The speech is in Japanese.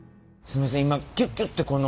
すいません